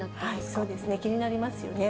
そうですね、気になりますよね。